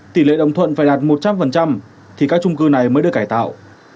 tỉ lệ đồng thuận phải đạt một trăm linh thì các chung cư này mới được cải tạo